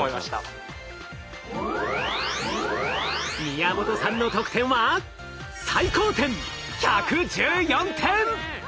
宮本さんの得点は最高点１１４点！